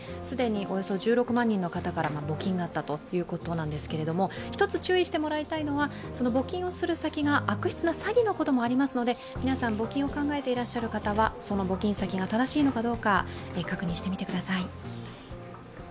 既におよそ１６万人の方からの募金があったということなのですけれども、１つ注意してもらいたいのは、その募金する先が悪質な詐欺のこともあるので皆さん、募金を考えていらっしゃる方は、その募金先が正しいのかどうか確認してみてください。